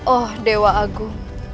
oh dewa agung